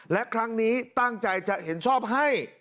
และครั้งนี้ตั้งใจจะเห็นชอบให้